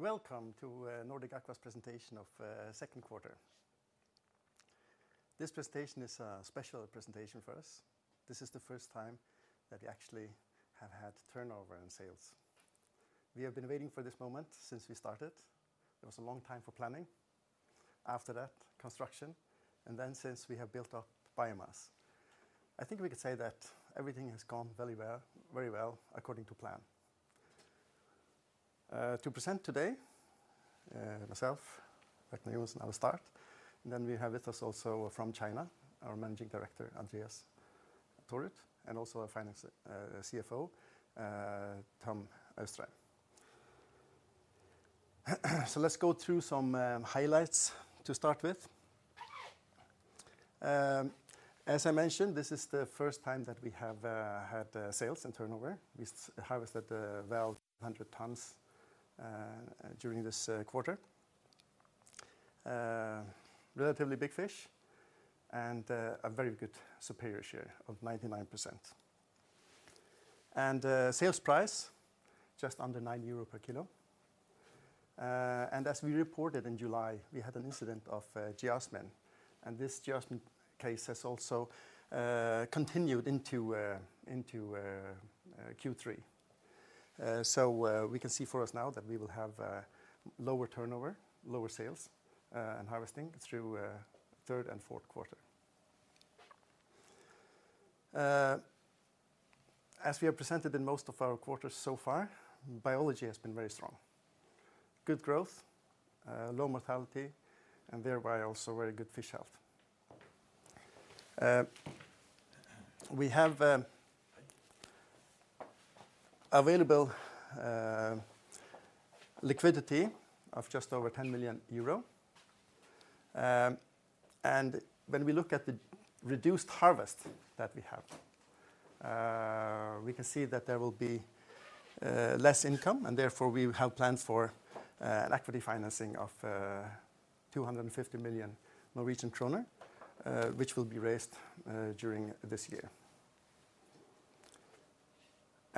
...Welcome to Nordic Aqua's presentation of second quarter. This presentation is a special presentation for us. This is the first time that we actually have had turnover in sales. We have been waiting for this moment since we started. There was a long time for planning, after that, construction, and then since we have built up biomass. I think we can say that everything has gone very well, very well according to plan. To present today, myself, Ragnar Joensen, I will start, and then we have with us also from China, our Managing Director, Andreas Thorud, and also our finance CFO, Tom Austad. So let's go through some highlights to start with. As I mentioned, this is the first time that we have had sales and turnover. We harvested well over 100 tons during this quarter. Relatively big fish and a very good Superior share of 99%. Sales price just under 9 euro per kilo. As we reported in July, we had an incident of geosmin, and this geosmin case has also continued into Q3. So we can see for us now that we will have lower turnover, lower sales, and harvesting through third and fourth quarter. As we have presented in most of our quarters so far, biology has been very strong. Good growth, low mortality, and thereby also very good fish health. We have available liquidity of just over 10 million euro. And when we look at the reduced harvest that we have, we can see that there will be less income, and therefore, we have plans for an equity financing of 250 million Norwegian kroner, which will be raised during this year.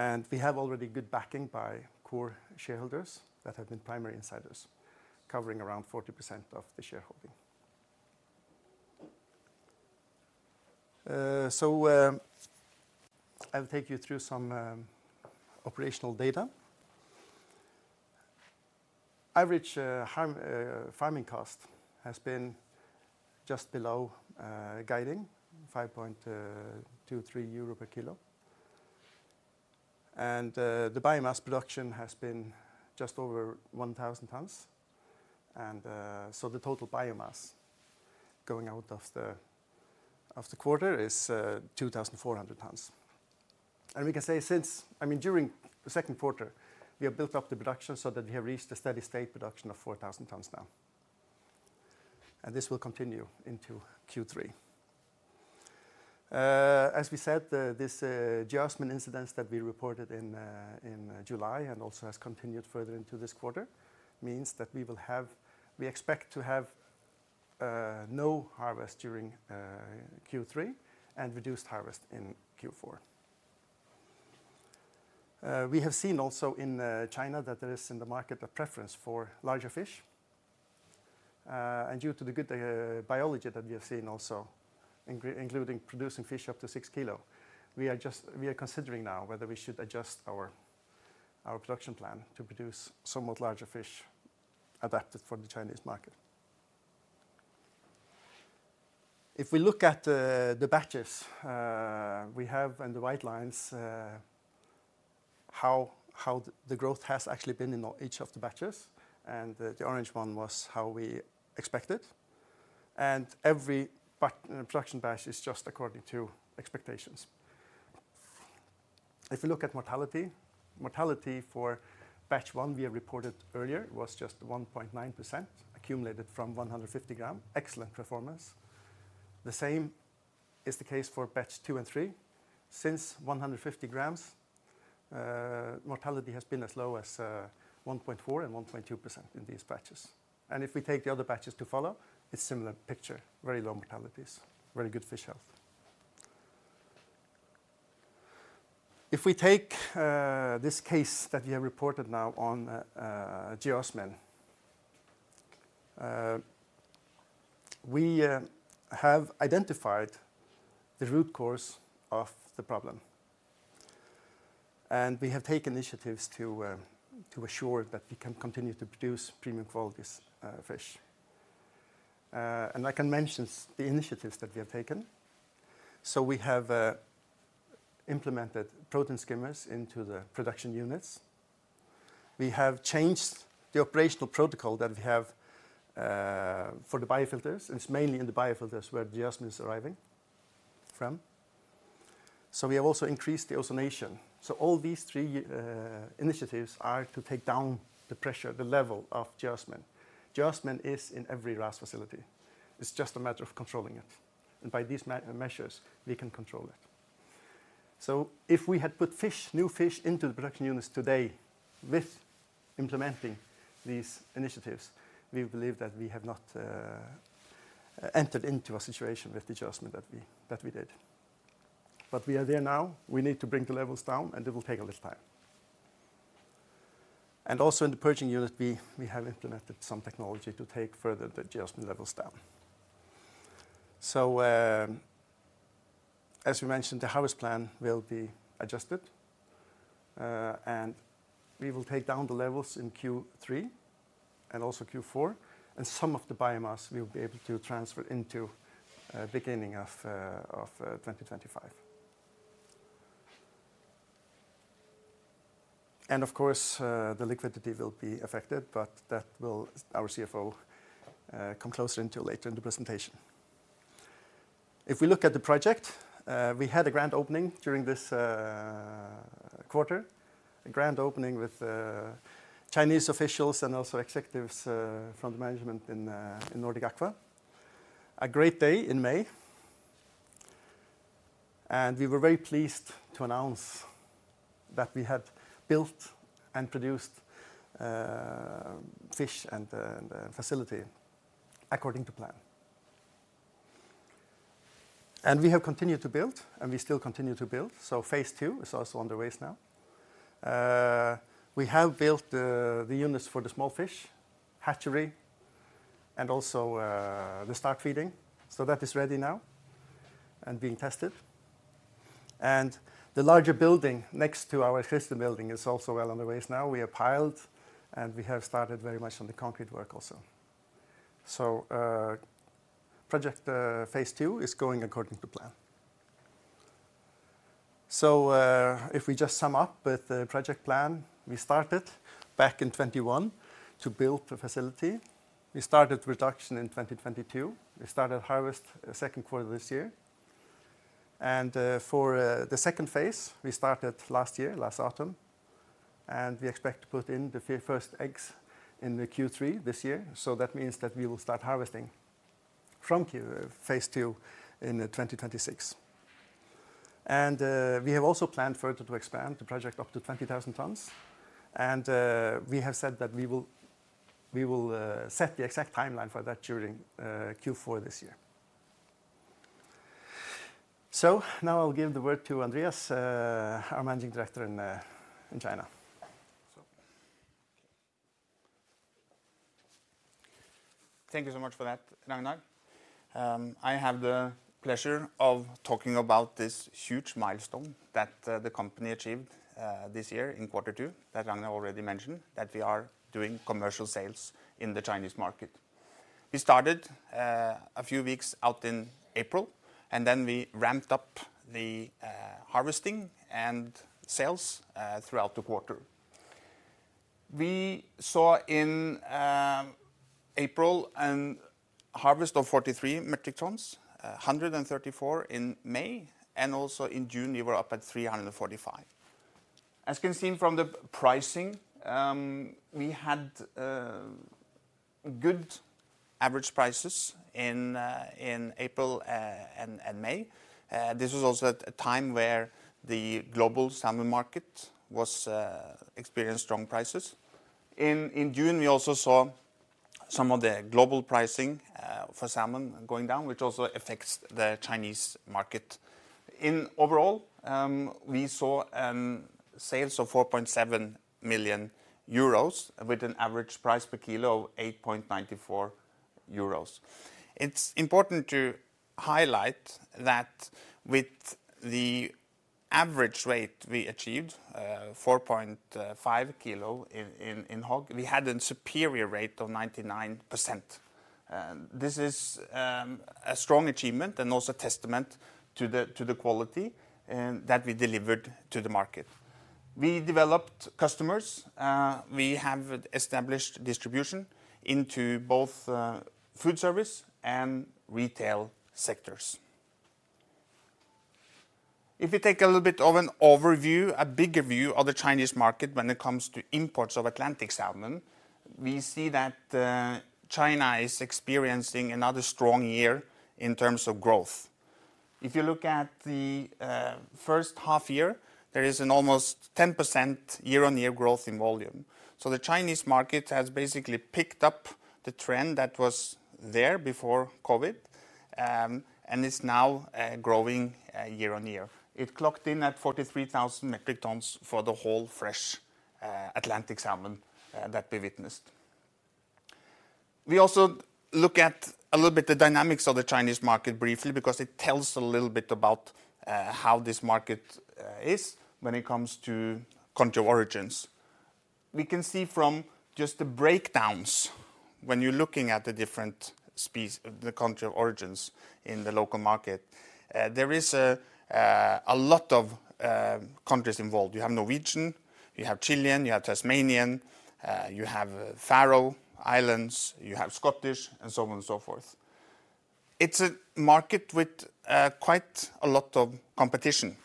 And we have already good backing by core shareholders that have been primary insiders, covering around 40% of the shareholding. So, I'll take you through some operational data. Average farming cost has been just below guiding 5.23 euro per kilo. And the biomass production has been just over 1,000 tons, and so the total biomass going out of the quarter is 2,400 tons. We can say, I mean, during the second quarter, we have built up the production so that we have reached a steady state production of 4,000 tons now, and this will continue into Q3. As we said, this geosmin incident that we reported in July and also has continued further into this quarter means that we expect to have no harvest during Q3, and reduced harvest in Q4. We have seen also in China that there is in the market a preference for larger fish. And due to the good biology that we have seen also, including producing fish up to six kilo, we are considering now whether we should adjust our production plan to produce somewhat larger fish adapted for the Chinese market. If we look at the batches, we have in the white lines, how the growth has actually been in each of the batches, and the orange one was how we expect it. Every production batch is just according to expectations. If you look at mortality, mortality for batch one, we have reported earlier, was just 1.9%, accumulated from 150 gram. Excellent performance. The same is the case for batch two and three. Since 150 grams, mortality has been as low as 1.4% and 1.2% in these batches. If we take the other batches to follow, it's similar picture, very low mortalities, very good fish health. If we take this case that we have reported now on geosmin, we have identified the root cause of the problem, and we have taken initiatives to assure that we can continue to produce premium quality fish. And I can mention the initiatives that we have taken. So we have implemented protein skimmers into the production units. We have changed the operational protocol that we have for the biofilters, and it's mainly in the biofilters where the geosmin is arriving from. So we have also increased the ozonation. So all these three initiatives are to take down the pressure, the level of geosmin. Geosmin is in every RAS facility. It's just a matter of controlling it, and by these measures, we can control it. If we had put fish, new fish into the production units today with implementing these initiatives, we believe that we have not entered into a situation with the geosmin that we did. We are there now. We need to bring the levels down, and it will take a little time. In the purging unit B, we have implemented some technology to take further the geosmin levels down. As we mentioned, the harvest plan will be adjusted, and we will take down the levels in Q3 and also Q4, and some of the biomass we will be able to transfer into beginning of twenty twenty-five. Of course, the liquidity will be affected, but that will, our CFO, come closer into later in the presentation. If we look at the project, we had a grand opening during this quarter. A grand opening with Chinese officials and also executives from the management in Nordic Aqua. A great day in May, and we were very pleased to announce that we had built and produced fish and the facility according to plan. We have continued to build, and we still continue to build, so phase two is also on the way now. We have built the units for the small fish hatchery and also the start feeding. So that is ready now and being tested. The larger building next to our system building is also well on the way now. We have piled, and we have started very much on the concrete work also. Project phase two is going according to plan. If we just sum up with the project plan, we started back in 2021 to build the facility. We started production in 2022. We started harvest second quarter this year. For the second phase, we started last year, last autumn, and we expect to put in the first eggs in Q3 this year. That means that we will start harvesting from phase two in 2026. We have also planned further to expand the project up to 20,000 tons, and we have said that we will set the exact timeline for that during Q4 this year. Now I'll give the word to Andreas, our Managing Director in China. Thank you so much for that, Ragnar. I have the pleasure of talking about this huge milestone that the company achieved this year in quarter two, that Ragnar already mentioned, that we are doing commercial sales in the Chinese market. We started a few weeks out in April, and then we ramped up the harvesting and sales throughout the quarter. We saw in April a harvest of 43 metric tons, 134 in May, and also in June, we were up at 345. As you can see from the pricing, we had good average prices in April and May. This was also at a time where the global salmon market was experienced strong prices. In June, we also saw some of the global pricing for salmon going down, which also affects the Chinese market. Overall, we saw sales of 4.7 million euros with an average price per kilo of 8.94 euros. It's important to highlight that with the average rate we achieved, 4.5 kilo in HOG, we had a superior share of 99%. This is a strong achievement and also a testament to the quality that we delivered to the market. We developed customers. We have established distribution into both food service and retail sectors. If you take a little bit of an overview, a bigger view of the Chinese market when it comes to imports of Atlantic salmon, we see that China is experiencing another strong year in terms of growth. If you look at the first half year, there is an almost 10% year-on-year growth in volume. So the Chinese market has basically picked up the trend that was there before COVID, and is now growing year on year. It clocked in at 43,000 metric tons for the whole fresh Atlantic salmon that we witnessed. We also look at a little bit the dynamics of the Chinese market briefly, because it tells a little bit about how this market is when it comes to country of origins. We can see from just the breakdowns when you're looking at the different specs, the countries of origin in the local market, there is a lot of countries involved. You have Norwegian, you have Chilean, you have Tasmanian, you have Faroe Islands, you have Scottish, and so on and so forth. It's a market with quite a lot of competition.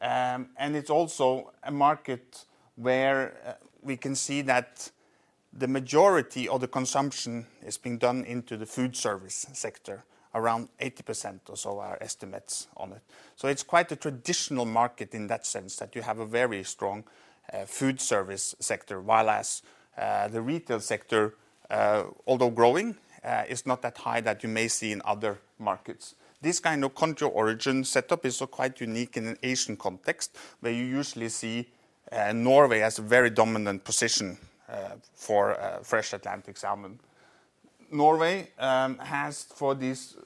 And it's also a market where we can see that the majority of the consumption is being done into the food service sector, around 80% or so are estimates on it. So it's quite a traditional market in that sense, that you have a very strong food service sector, whereas the retail sector, although growing, is not that high that you may see in other markets. This kind of country origin setup is quite unique in an Asian context, where you usually see, and Norway has a very dominant position for fresh Atlantic salmon. Norway has for these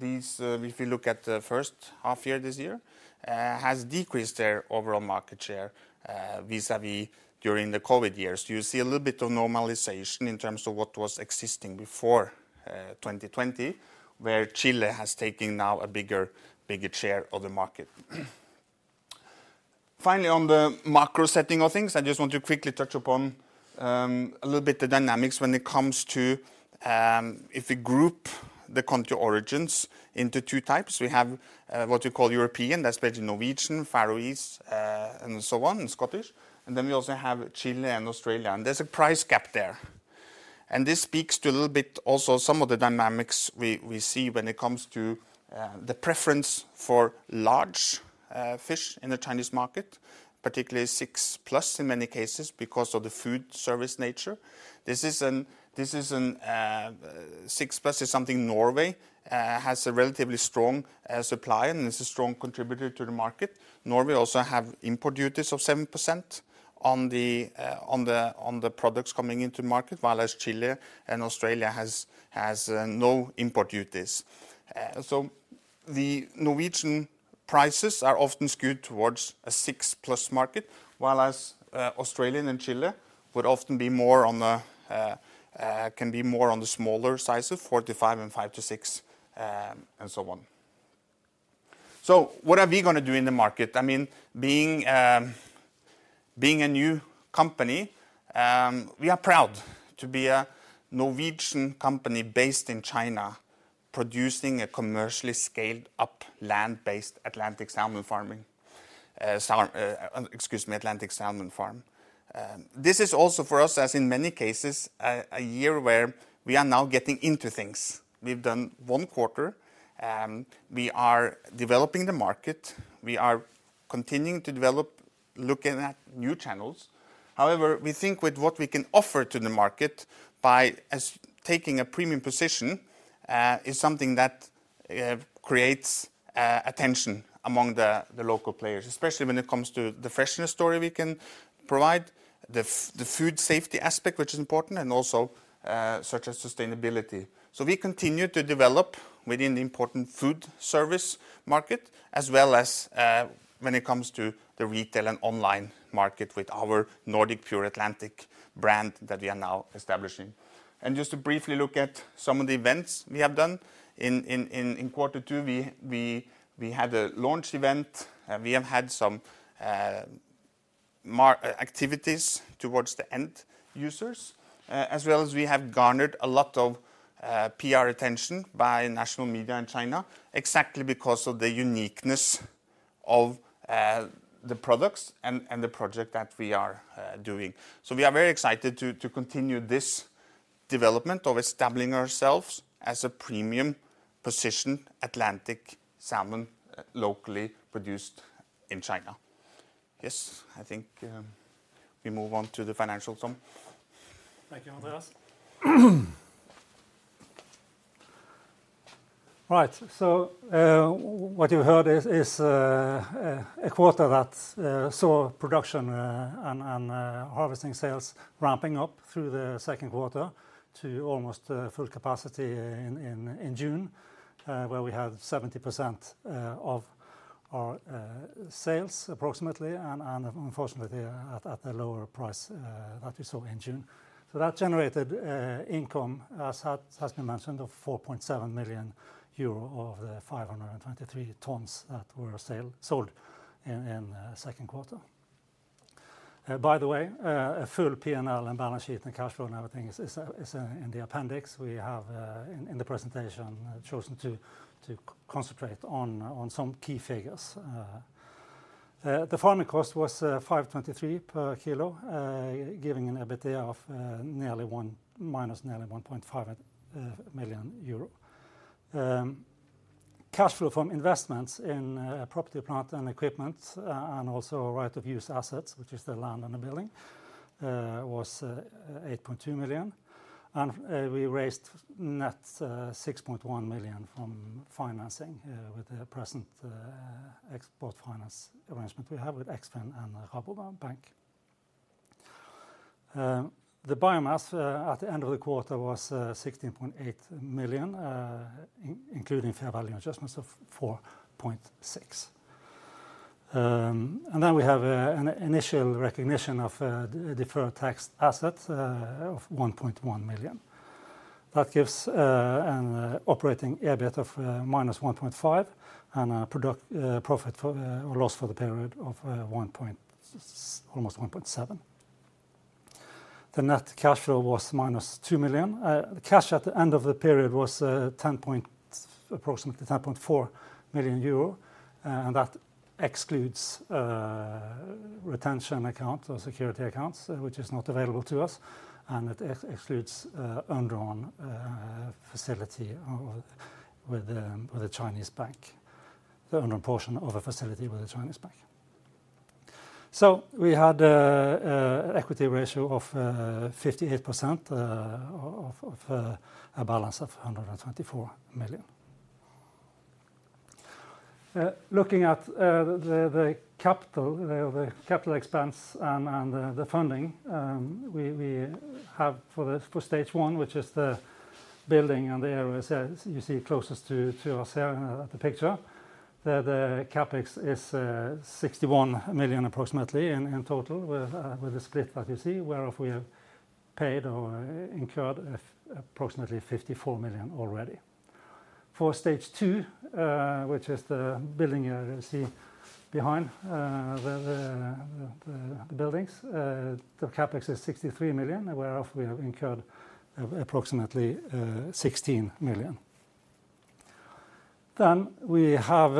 if you look at the first half year this year has decreased their overall market share vis-à-vis during the COVID years. You see a little bit of normalization in terms of what was existing before twenty twenty, where Chile has taken now a bigger share of the market. Finally, on the macro setting of things, I just want to quickly touch upon a little bit the dynamics when it comes to. If we group the country origins into two types, we have, what you call European, that's basically Norwegian, Faroese, and so on, and Scottish, and then we also have Chile and Australia, and there's a price gap there. And this speaks to a little bit also some of the dynamics we see when it comes to, the preference for large, fish in the Chinese market, particularly six plus in many cases, because of the food service nature. This is an, six plus is something Norway has a relatively strong, supply in, and it's a strong contributor to the market. Norway also have import duties of 7% on the, on the, on the products coming into the market, whereas Chile and Australia has, no import duties. So the Norwegian prices are often skewed towards a six plus market, whereas Australian and Chile would often be more on the smaller sizes, four to five and five to six, and so on. So what are we gonna do in the market? I mean, being a new company, we are proud to be a Norwegian company based in China, producing a commercially scaled-up land-based Atlantic salmon farm. This is also for us, as in many cases, a year where we are now getting into things. We've done one quarter, we are developing the market, we are continuing to develop, looking at new channels. However, we think with what we can offer to the market by taking a premium position is something that creates attention among the local players. Especially when it comes to the freshness story we can provide, the food safety aspect, which is important, and also such as sustainability. So we continue to develop within the important food service market, as well as when it comes to the retail and online market with our Nordic Pure Atlantic brand that we are now establishing. And just to briefly look at some of the events we have done. In quarter two, we had a launch event, and we have had some marketing activities towards the end users. As well as we have garnered a lot of PR attention by national media in China, exactly because of the uniqueness of the products and the project that we are doing. So we are very excited to continue this development of establishing ourselves as a premium-positioned Atlantic salmon locally produced in China. Yes, I think we move on to the financial sum. Thank you, Andreas. Right. So, what you heard is a quarter that saw production and harvesting sales ramping up through the second quarter to almost full capacity in June, where we had 70% of our sales approximately, and unfortunately, at a lower price that we saw in June. So that generated income, as has been mentioned, of 4.7 million euro of the 523 tons that were sold in second quarter. By the way, a full P&L and balance sheet and cash flow and everything is in the appendix. We have in the presentation chosen to concentrate on some key figures. The farming cost was 523 per kilo, giving an EBITDA of nearly -1.5 million euro. Cash flow from investments in property, plant, and equipment and also right-of-use assets, which is the land and the building, was 8.2 million. And we raised net 6.1 million from financing with the present export finance arrangement we have with Eksfin and Rabobank. The biomass at the end of the quarter was 16.8 million, including fair value adjustments of 4.6 million. And then we have an initial recognition of deferred tax assets of 1.1 million. That gives an operating EBIT of -1.5%, and a profit or loss for the period of almost -1.7%. The net cash flow was -2 million. The cash at the end of the period was approximately 10.4 million euro, and that excludes retention accounts or security accounts, which is not available to us, and it excludes the undrawn portion of a facility with the Chinese bank. So we had an equity ratio of 58% of a balance of 124 million. Looking at the capital expense and the funding we have for stage one, which is the building on the area as you see closest to us here in the picture, the CapEx is approximately 61 million in total, with the split that you see, whereof we have paid or incurred approximately 54 million already. For stage two, which is the building you see behind the buildings, the CapEx is 63 million, whereof we have incurred approximately 16 million. Then we have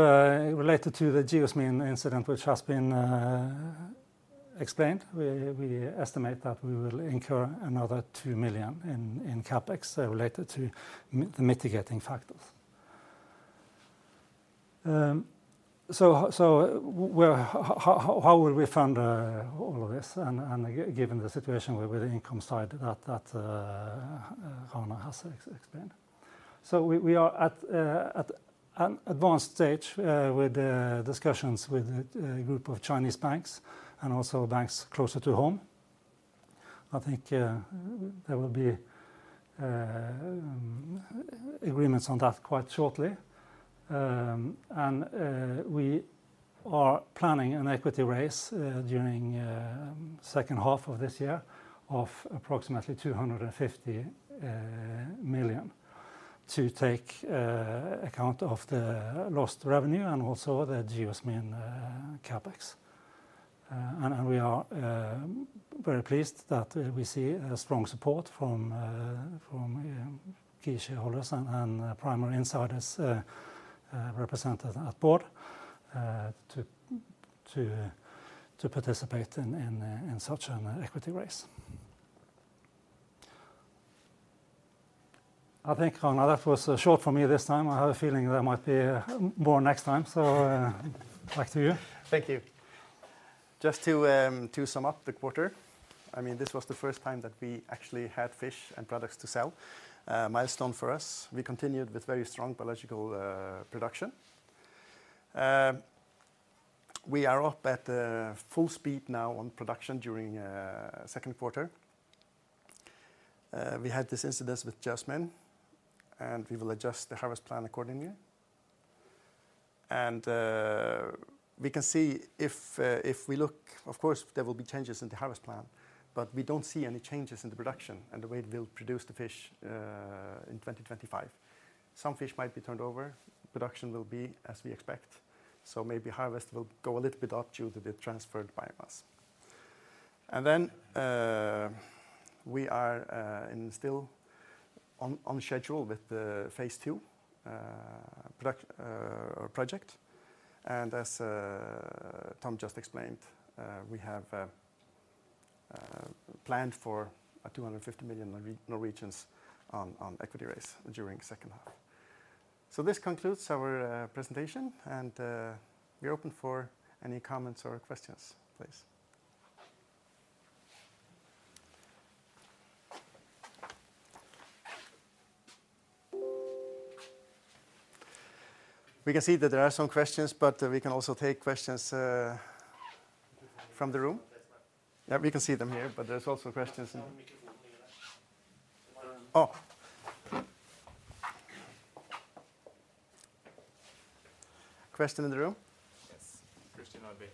related to the geosmin incident, which has been explained, we estimate that we will incur another 2 million in CapEx related to the mitigating factors. How will we fund all of this, and given the situation with the income side that Ragnar has explained? We are at an advanced stage with the discussions with a group of Chinese banks and also banks closer to home. I think there will be agreements on that quite shortly. We are planning an equity raise during second half of this year of approximately 250 million to take account of the lost revenue and also the geosmin CapEx. We are very pleased that we see a strong support from key shareholders and primary insiders represented at board to participate in such an equity raise. I think, Ragnar, that was short for me this time. I have a feeling there might be more next time, so, back to you. Thank you. Just to sum up the quarter, I mean, this was the first time that we actually had fish and products to sell, a milestone for us. We continued with very strong biological production. We are up at full speed now on production during second quarter. We had this incident with geosmin, and we will adjust the harvest plan accordingly, and we can see if we look, of course, there will be changes in the harvest plan, but we don't see any changes in the production and the way it will produce the fish in 2025. Some fish might be turned over. Production will be as we expect, so maybe harvest will go a little bit up due to the transferred biomass. And then, we are still on schedule with the phase two product or project, and as Tom just explained, we have planned for a 250 million equity raise during second half. So this concludes our presentation, and we're open for any comments or questions, please. We can see that there are some questions, but we can also take questions from the room. Yes. Yeah, we can see them here, but there's also questions in- Oh. Question in the room? Yes, Christian Rabe.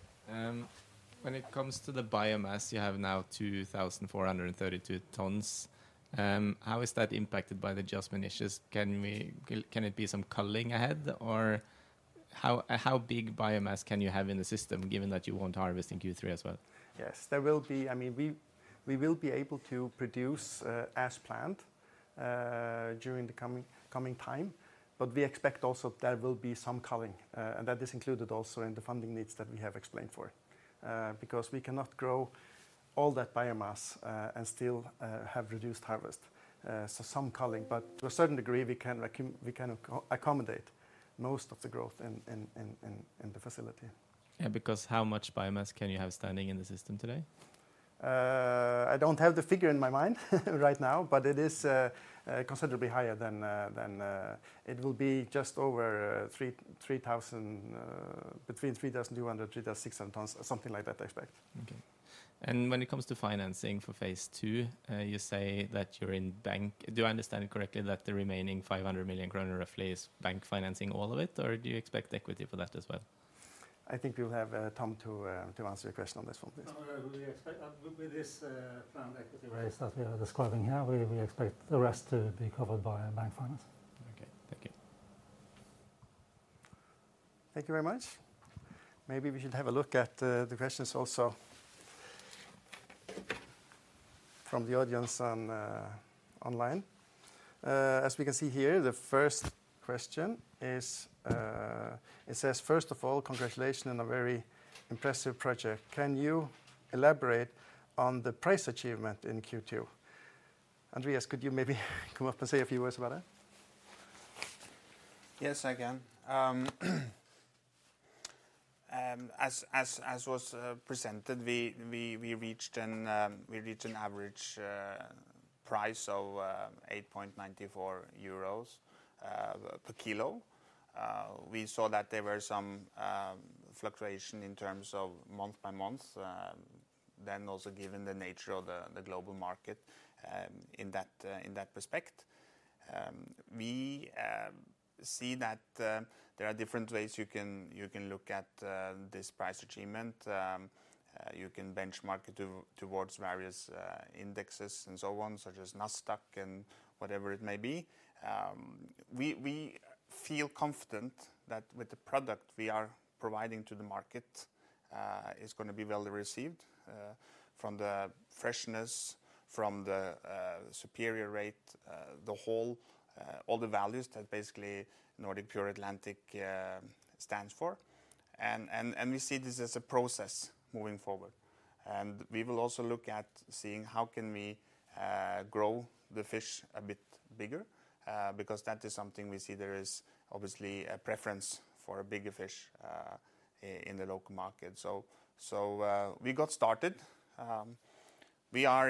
When it comes to the biomass, you have now 2,432 tons. How is that impacted by the geosmin issues? Can it be some culling ahead, or how big biomass can you have in the system, given that you won't harvest in Q3 as well? Yes, there will be. I mean, we will be able to produce as planned during the coming time, but we expect also there will be some culling, and that is included also in the funding needs that we have explained for. Because we cannot grow all that biomass and still have reduced harvest. So some culling, but to a certain degree, we can accommodate most of the growth in the facility. Yeah, because how much biomass can you have standing in the system today? I don't have the figure in my mind right now, but it is considerably higher than... It will be just over three thousand, between three thousand two hundred, three thousand six hundred tons, something like that, I expect. Okay. And when it comes to financing for phase two, you say that you're in bank. Do I understand it correctly that the remaining 500 million kroner roughly is bank financing all of it, or do you expect equity for that as well? I think we'll have Tom to answer your question on this one, please. We expect, with this planned equity raise that we are describing here, we expect the rest to be covered by bank finance. Okay. Thank you. Thank you very much. Maybe we should have a look at the questions also from the audience on online. As we can see here, the first question is, it says, "First of all, congratulations on a very impressive project. Can you elaborate on the price achievement in Q2?" Andreas, could you maybe come up and say a few words about that? Yes, I can. As was presented, we reached an average price of 8.94 euros per kilo. We saw that there were some fluctuation in terms of month by month, then also given the nature of the global market, in that respect. We see that there are different ways you can look at this price achievement. You can benchmark it towards various indexes and so on, such as Nasdaq and whatever it may be. We feel confident that with the product we are providing to the market is gonna be well received from the freshness, from the superior rate, the whole, all the values that basically Nordic Pure Atlantic stands for. And we see this as a process moving forward. And we will also look at seeing how can we grow the fish a bit bigger because that is something we see there is obviously a preference for a bigger fish in the local market. So we got started. We are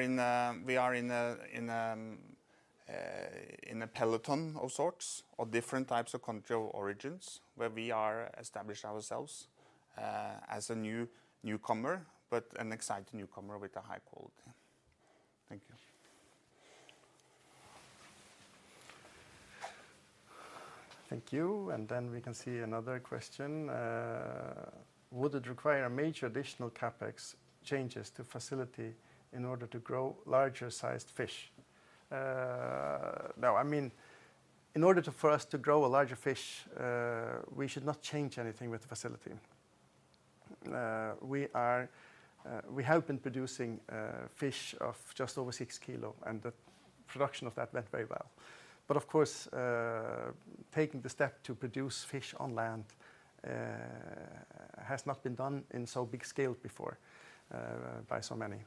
in a peloton of sorts, of different types of country of origins, where we are established ourselves as a new newcomer, but an exciting newcomer with a high quality. Thank you. Thank you. Then we can see another question. Would it require major additional CapEx changes to facility in order to grow larger sized fish? No, I mean, for us to grow a larger fish, we should not change anything with the facility. We have been producing fish of just over six kilo, and the production of that went very well. Of course, taking the step to produce fish on land has not been done in so big scale before by so many.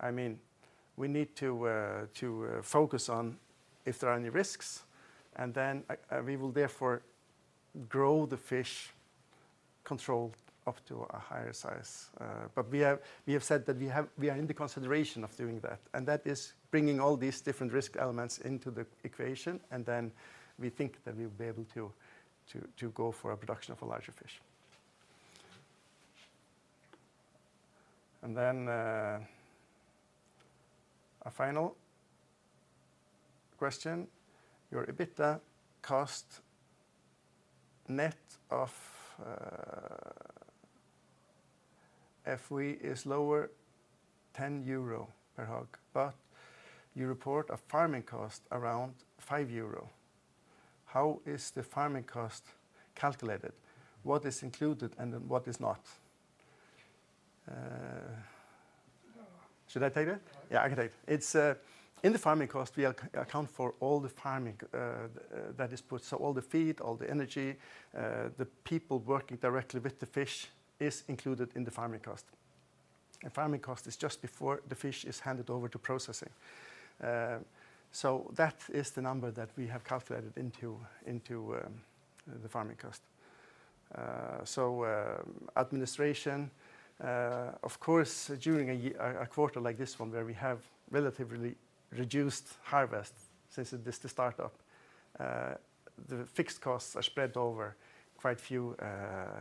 I mean, we need to focus on if there are any risks, and then we will therefore grow the fish controlled up to a higher size. But we have said that we are in the consideration of doing that, and that is bringing all these different risk elements into the equation, and then we think that we'll be able to go for a production of a larger fish, and then a final question: Your EBITDA cost net of FVA is lower 10 euro per HOG, but you report a farming cost around 5 euro. How is the farming cost calculated? What is included, and then what is not? Should I take that? Yeah, I can take it. It's in the farming cost. We account for all the farming that is put. So all the feed, all the energy, the people working directly with the fish is included in the farming cost. And farming cost is just before the fish is handed over to processing. So that is the number that we have calculated into the farming cost. So administration, of course, during a quarter like this one, where we have relatively reduced harvest since it is the start-up, the fixed costs are spread over quite few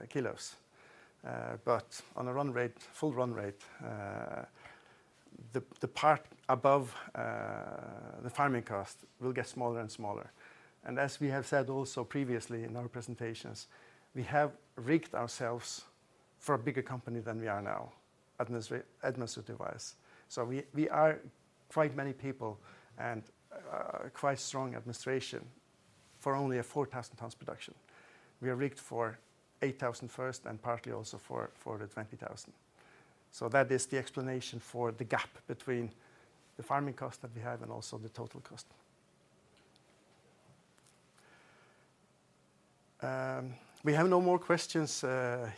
kilos. But on a run rate, full run rate, the part above the farming cost will get smaller and smaller. And as we have said also previously in our presentations, we have rigged ourselves for a bigger company than we are now, administratively wise. So we are quite many people and, quite strong administration for only a four thousand tons production. We are rigged for eight thousand first, and partly also for the twenty thousand. So that is the explanation for the gap between the farming cost that we have and also the total cost. We have no more questions,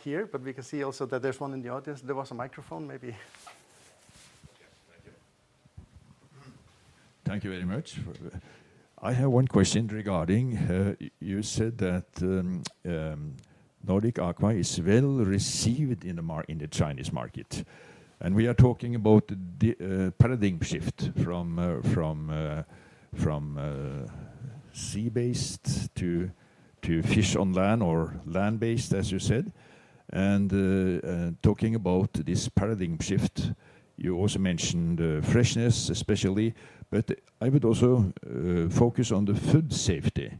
here, but we can see also that there's one in the audience. There was a microphone, maybe. Thank you very much. I have one question regarding you said that Nordic Aqua is well received in the Chinese market, and we are talking about the paradigm shift from sea-based to fish on land or land-based, as you said. Talking about this paradigm shift, you also mentioned freshness especially, but I would also focus on the food safety.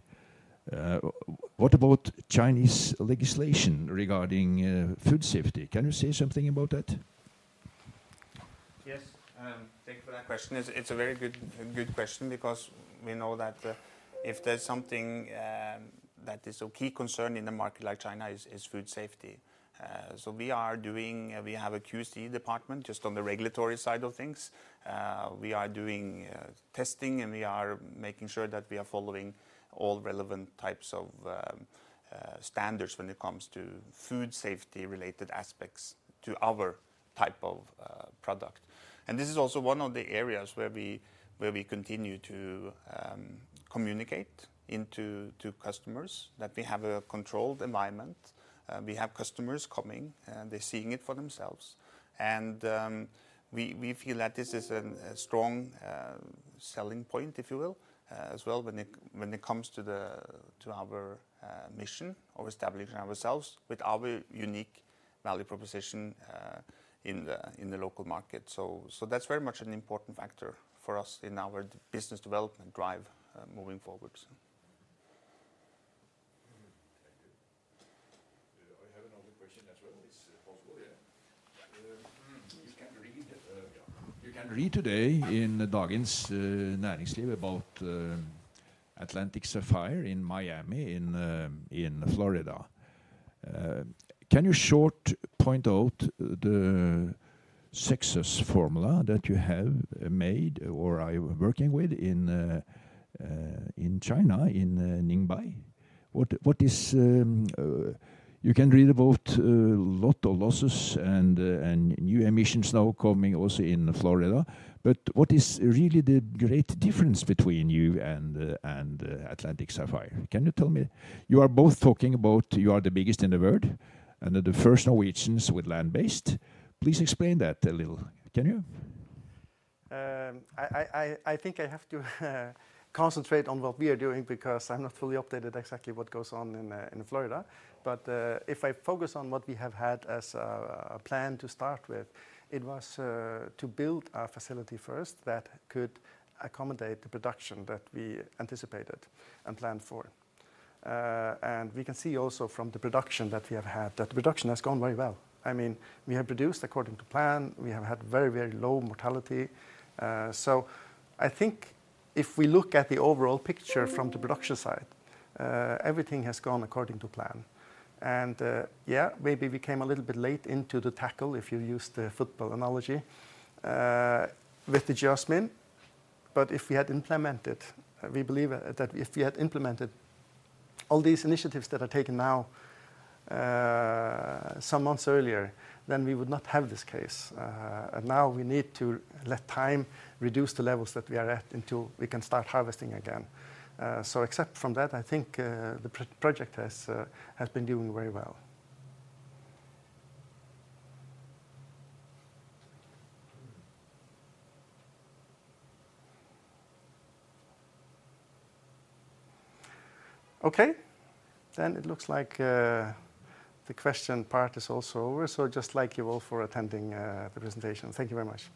What about Chinese legislation regarding food safety? Can you say something about that? Yes, thank you for that question. It's a very good question because we know that if there's something that is a key concern in a market like China is food safety. So we are doing. We have a QC department just on the regulatory side of things. We are doing testing, and we are making sure that we are following all relevant types of standards when it comes to food safety-related aspects to our type of fish product. And this is also one of the areas where we continue to communicate to customers that we have a controlled environment. We have customers coming, and they're seeing it for themselves. We feel that this is a strong selling point, if you will, as well, when it comes to our mission of establishing ourselves with our unique value proposition in the local market. So that's very much an important factor for us in our business development drive moving forward. Thank you. I have another question as well, if it's possible, yeah? You can read today in Dagens Næringsliv about Atlantic Sapphire in Miami, in Florida. Can you shortly point out the success formula that you have made or are working with in China, in Ningbo? What is... You can read about lot of losses and new emissions now coming also in Florida. But what is really the great difference between you and Atlantic Sapphire? Can you tell me? You are both talking about you are the biggest in the world and that the first Norwegians with land-based. Please explain that a little. Can you? I think I have to concentrate on what we are doing because I'm not fully updated exactly what goes on in Florida. But if I focus on what we have had as a plan to start with, it was to build a facility first that could accommodate the production that we anticipated and planned for. And we can see also from the production that we have had, that the production has gone very well. I mean, we have produced according to plan. We have had very low mortality. So I think if we look at the overall picture from the production side, everything has gone according to plan. And yeah, maybe we came a little bit late into the tackle, if you use the football analogy, with the salmon. But if we had implemented, we believe that if we had implemented all these initiatives that are taken now, some months earlier, then we would not have this case. And now we need to let time reduce the levels that we are at until we can start harvesting again. So except from that, I think, the project has been doing very well. Okay, then it looks like the question part is also over. So just thank you all for attending the presentation. Thank you very much.